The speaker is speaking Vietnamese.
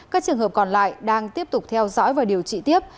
các trường hợp còn lại đang tiếp tục theo dõi và điều trị tiếp